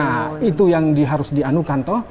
nah itu yang harus dianukan toh